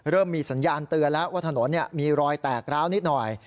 เริ่มมีสัญญาณเตือนแล้วว่าถนนมีรอยแตกร้าวนิดหน่อย